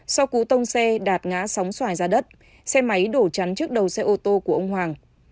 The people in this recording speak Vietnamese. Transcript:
sau cú tông xe đạp ngã sóng xoài ra đất xe máy đổ chắn trước đầu xe ô tô của ông hoàng